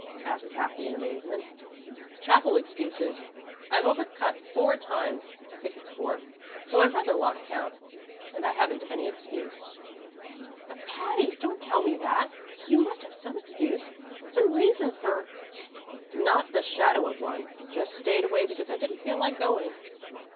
asked Cathy, in amazement. "Chapel excuses. I've over cut four times, I think it's four, though I've rather lost count, and I haven't any excuse." "But, Patty, don't tell me that. You must have some excuse, some reason for " "Not the shadow of one. Just stayed away because I didn't feel like going."